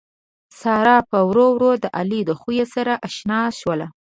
ساره پّ ورو ورو د علي له خوي سره اشنا شوله